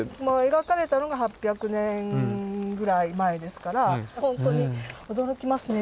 描かれたのが８００年ぐらい前ですから本当に驚きますね